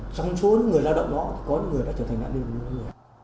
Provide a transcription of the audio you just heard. trong chốn người lao động đó có người đã trở thành nạn đường